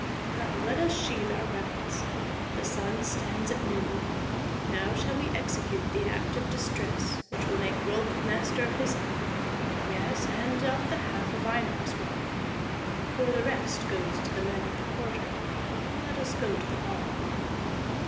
"Come, let us sheathe our weapons. The sun stands at noon; now shall we execute the act of distress which will make Rolf master of his own yes, and of the half of Einar's wealth, for the rest goes to the men of the Quarter. Let us go to the hall."